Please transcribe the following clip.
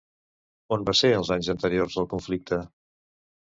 On va ser els anys anteriors al conflicte?